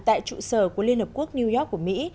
tại trụ sở của liên hợp quốc new york của mỹ